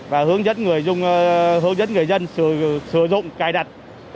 và hướng dẫn người dân sử dụng cài đặt